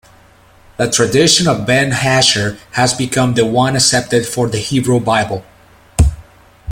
The tradition of ben Asher has become the one accepted for the Hebrew Bible.